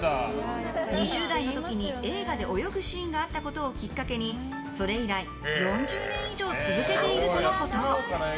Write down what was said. ２０代の時に映画で泳ぐシーンがあったことをきっかけにそれ以来４０年以上続けているとのこと。